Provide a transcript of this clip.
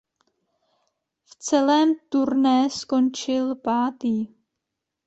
V celém Turné skončil pátý.